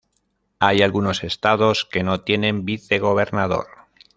Hay algunos estados que no tienen vicegobernador.